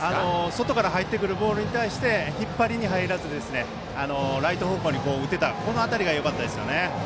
外から入ってくるボールに引っ張りに入らずライト方向に打てたことがよかったですね。